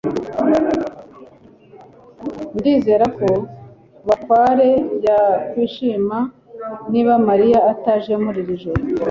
ndizera ko bakware yakwishima niba mariya ataje muri iri joro